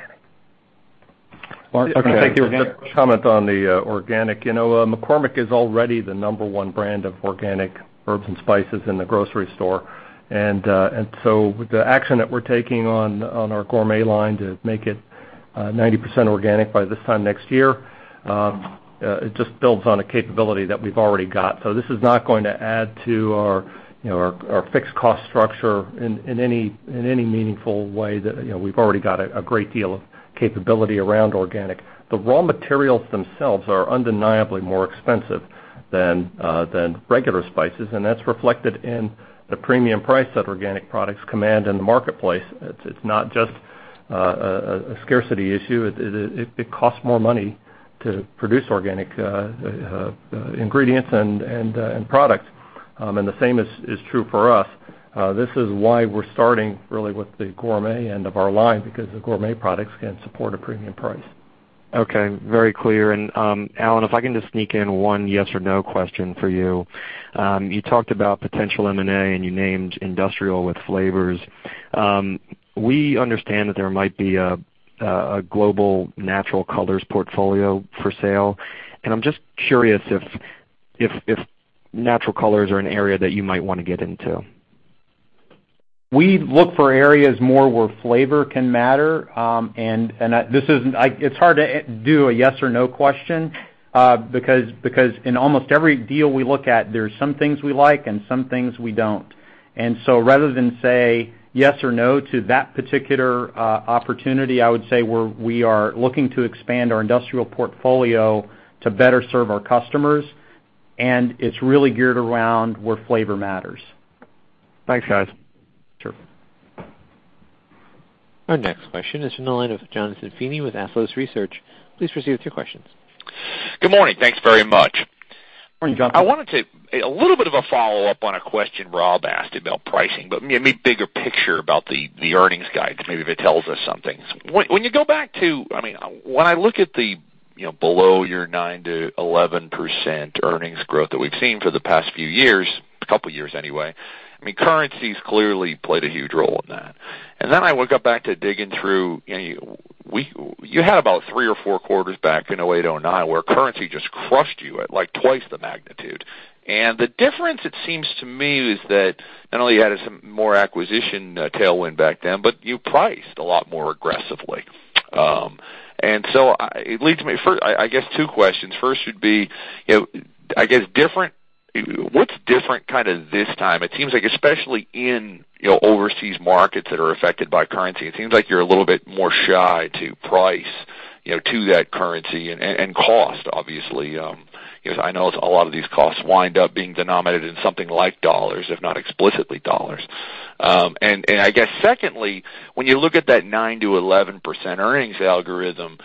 Mike. I'll take the comment on the organic. McCormick is already the number 1 brand of organic herb and spice in the grocery store. With the action that we're taking on our gourmet line to make it 90% organic by this time next year, it just builds on a capability that we've already got. This is not going to add to our fixed cost structure in any meaningful way that we've already got a great deal of capability around organic. The raw materials themselves are undeniably more expensive than regular spices, and that's reflected in the premium price that organic products command in the marketplace. It's not just a scarcity issue. It costs more money to produce organic ingredients and products. The same is true for us. This is why we're starting really with the gourmet end of our line, because the gourmet products can support a premium price. Okay. Very clear. Alan, if I can just sneak in one yes or no question for you. You talked about potential M&A and you named industrial with flavors. We understand that there might be a global natural colors portfolio for sale, and I'm just curious if natural colors are an area that you might want to get into. We look for areas more where flavor can matter. It's hard to do a yes or no question, because in almost every deal we look at, there's some things we like and some things we don't. Rather than say yes or no to that particular opportunity, I would say we are looking to expand our industrial portfolio to better serve our customers, and it's really geared around where flavor matters. Thanks, guys. Sure. Our next question is from the line of Jonathan Feeney with Athlos Research. Please proceed with your questions. Good morning. Thanks very much. Morning, Jonathan. A little bit of a follow-up on a question Rob asked about pricing, but maybe bigger picture about the earnings guidance, maybe if it tells us something. When you go back to, when I look at the below your 9%-11% earnings growth that we've seen for the past few years, a couple of years anyway, currencies clearly played a huge role in that. Then I got back to digging through, you had about three or four quarters back in 2008, 2009, where currency just crushed you at twice the magnitude. The difference, it seems to me, is that not only you had some more acquisition tailwind back then, but you priced a lot more aggressively. It leads me, I guess, two questions. First should be, what's different this time? It seems like, especially in overseas markets that are affected by currency, it seems like you're a little bit more shy to price to that currency and cost, obviously, because I know a lot of these costs wind up being denominated in something like dollars, if not explicitly dollars. I guess secondly, when you look at that 9%-11% earnings algorithm,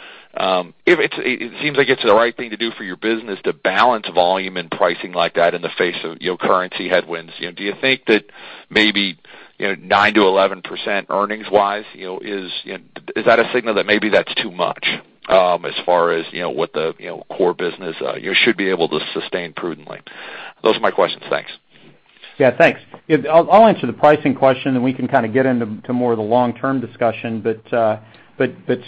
it seems like it's the right thing to do for your business to balance volume and pricing like that in the face of currency headwinds. Do you think that maybe, 9%-11% earnings-wise, is that a signal that maybe that's too much as far as what the core business should be able to sustain prudently? Those are my questions. Thanks. Thanks. I'll answer the pricing question, and we can get into more of the long-term discussion.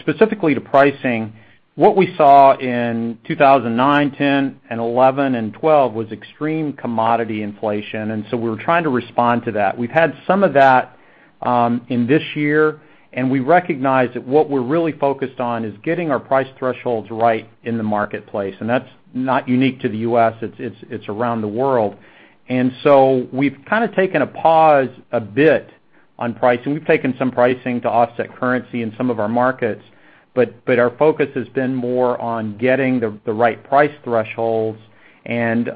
Specifically to pricing, what we saw in 2009, 2010, 2011, and 2012 was extreme commodity inflation, we were trying to respond to that. We've had some of that in this year, we recognize that what we're really focused on is getting our price thresholds right in the marketplace, and that's not unique to the U.S., it's around the world. We've taken a pause a bit on pricing. We've taken some pricing to offset currency in some of our markets, our focus has been more on getting the right price thresholds and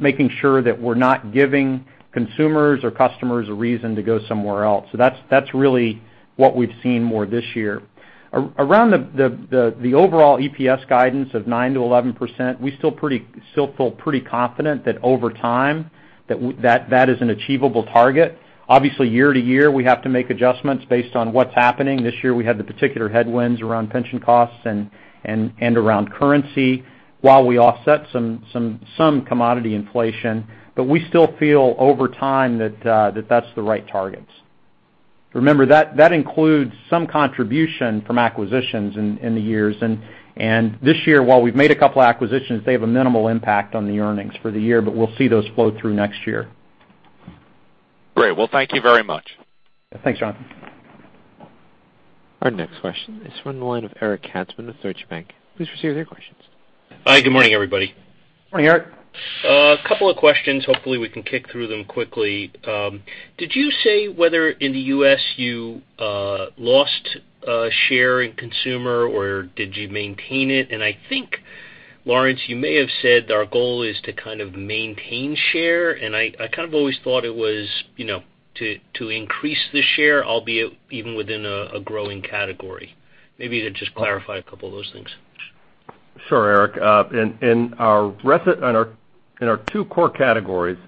making sure that we're not giving consumers or customers a reason to go somewhere else. That's really what we've seen more this year. Around the overall EPS guidance of 9%-11%, we still feel pretty confident that over time, that is an achievable target. Obviously, year to year, we have to make adjustments based on what's happening. This year, we had the particular headwinds around pension costs and around currency while we offset some commodity inflation. We still feel over time that that's the right targets. Remember, that includes some contribution from acquisitions in the years. This year, while we've made a couple of acquisitions, they have a minimal impact on the earnings for the year, we'll see those flow through next year. Great. Thank you very much. Thanks, John. Our next question is from the line of Eric Katzman of Deutsche Bank. Please proceed with your questions. Hi, good morning, everybody. Morning, Eric. A couple of questions. Hopefully, we can kick through them quickly. Did you say whether in the U.S. you lost a share in consumer or did you maintain it? I think, Lawrence, you may have said our goal is to kind of maintain share, I kind of always thought it was to increase the share, albeit even within a growing category. Maybe to just clarify a couple of those things. Sure, Eric. In our two core categories,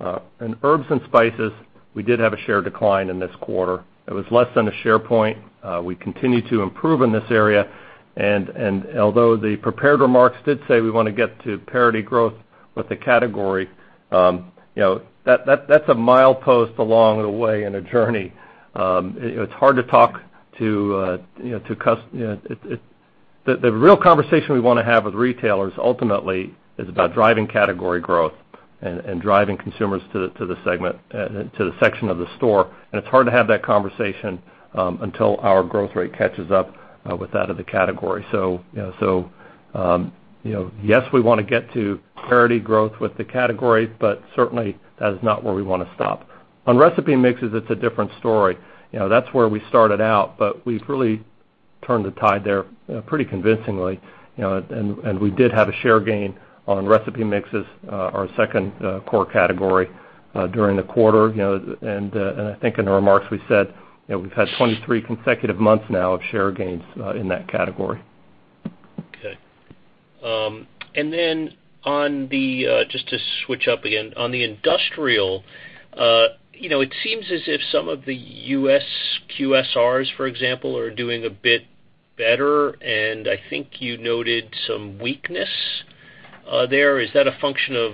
in herbs and spices, we did have a share decline in this quarter. It was less than a share point. We continue to improve in this area, and although the prepared remarks did say we want to get to parity growth with the category, that's a milepost along the way in a journey. The real conversation we want to have with retailers ultimately is about driving category growth and driving consumers to the section of the store, and it's hard to have that conversation until our growth rate catches up with that of the category. Yes, we want to get to parity growth with the category, but certainly that is not where we want to stop. On recipe mixes, it's a different story. That's where we started out, but we've really turned the tide there pretty convincingly, and we did have a share gain on recipe mixes, our second core category, during the quarter. I think in the remarks we said, we've had 23 consecutive months now of share gains in that category. Okay. Then, just to switch up again, on the industrial, it seems as if some of the U.S. QSRs, for example, are doing a bit better, I think you noted some weakness there. Is that a function of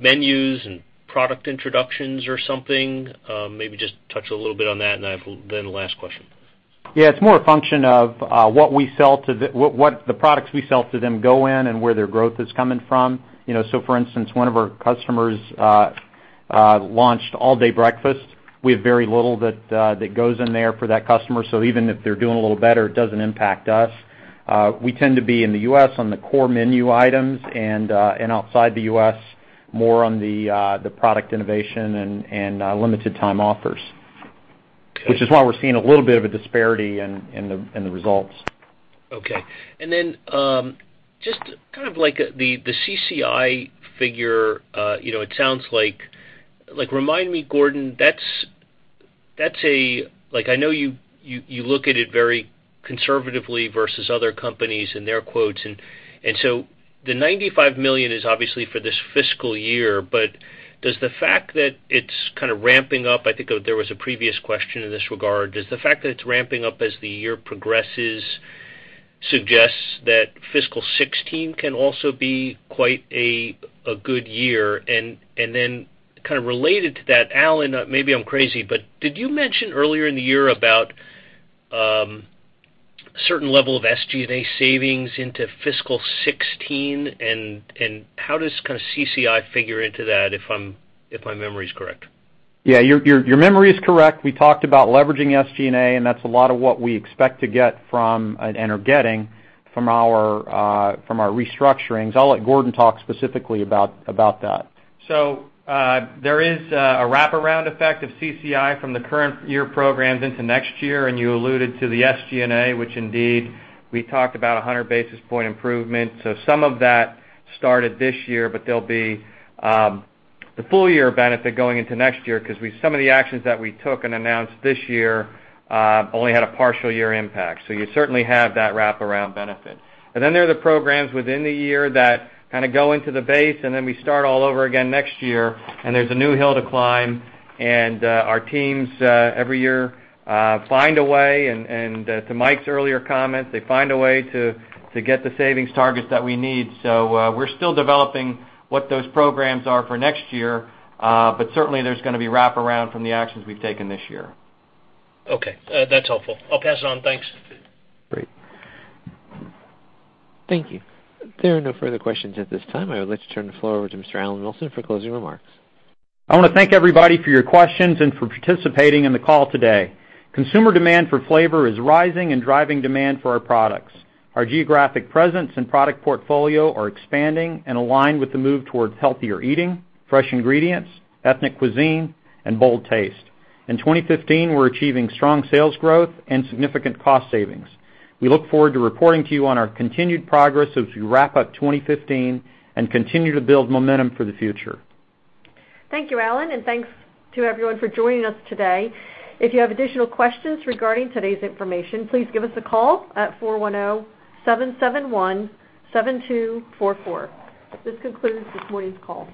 menus and product introductions or something? Maybe just touch a little bit on that, I have the last question. Yeah, it's more a function of what the products we sell to them go in and where their growth is coming from. For instance, one of our customers launched all-day breakfast. We have very little that goes in there for that customer, so even if they're doing a little better, it doesn't impact us. We tend to be, in the U.S., on the core menu items and outside the U.S., more on the product innovation and limited time offers, which is why we're seeing a little bit of a disparity in the results. Okay. Just the CCI figure, remind me, Gordon, I know you look at it very conservatively versus other companies and their quotes. The $95 million is obviously for this fiscal year, does the fact that it's kind of ramping up, I think there was a previous question in this regard, does the fact that it's ramping up as the year progresses suggest that fiscal 2016 can also be quite a good year? Kind of related to that, Alan, maybe I'm crazy, did you mention earlier in the year about a certain level of SG&A savings into fiscal 2016, and how does CCI figure into that, if my memory's correct? Yeah, your memory is correct. We talked about leveraging SG&A, that's a lot of what we expect to get from and are getting from our restructurings. I'll let Gordon talk specifically about that. There is a wraparound effect of CCI from the current year programs into next year. You alluded to the SG&A, which indeed we talked about 100 basis point improvement. Some of that started this year, there'll be the full year benefit going into next year because some of the actions that we took and announced this year only had a partial year impact, you certainly have that wraparound benefit. There are the programs within the year that kind of go into the base. We start all over again next year, there's a new hill to climb, our teams every year find a way, to Mike's earlier comment, they find a way to get the savings targets that we need. We're still developing what those programs are for next year. Certainly, there's going to be wraparound from the actions we've taken this year. Okay. That's helpful. I'll pass it on. Thanks. Great. Thank you. There are no further questions at this time. I would like to turn the floor over to Mr. Alan Wilson for closing remarks. I want to thank everybody for your questions and for participating in the call today. Consumer demand for flavor is rising and driving demand for our products. Our geographic presence and product portfolio are expanding and aligned with the move towards healthier eating, fresh ingredients, ethnic cuisine, and bold taste. In 2015, we're achieving strong sales growth and significant cost savings. We look forward to reporting to you on our continued progress as we wrap up 2015 and continue to build momentum for the future. Thank you, Alan, and thanks to everyone for joining us today. If you have additional questions regarding today's information, please give us a call at 410-771-7244. This concludes this morning's call.